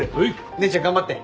姉ちゃん頑張って。